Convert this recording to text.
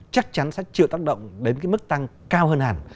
chắc chắn sẽ chịu tác động đến cái mức tăng cao hơn hẳn